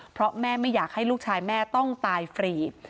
เพราะแม่ไม่อยากให้ลูกชายแม่ต้องตายฟรี